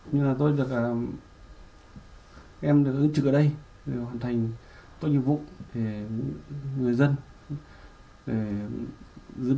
nhưng mà tôi được em ứng trực ở đây để hoàn thành tốt nhiệm vụ